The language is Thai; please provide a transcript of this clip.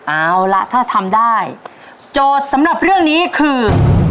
เอาล่ะถ้าทำได้โจทย์สำหรับเรื่องนี้คือ